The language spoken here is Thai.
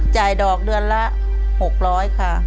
จ่ายดอกเดือนละ๖๐๐ค่ะ